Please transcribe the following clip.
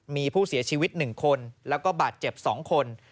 มีผู้เสียชีวิต๑คนแล้วก็บาดเจ็บ๒คน